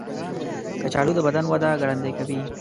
کچالو د بدن وده ګړندۍ کوي.